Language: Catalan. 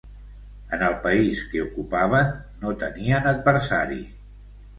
En el país que ocupaven no tenien adversari.